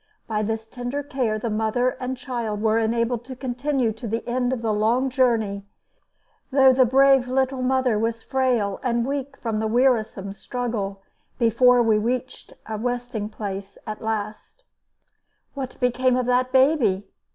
By this tender care the mother and child were enabled to continue to the end of the long journey, though the brave little mother was frail and weak from the wearisome struggle before we reached a resting place at last. [Illustration: A nap in the wagon.] What became of that baby?